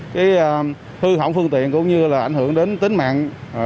cái hư hỏng phương tiện cũng như là ảnh hưởng đến tính mạng